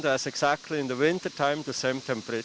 di waktu musim musim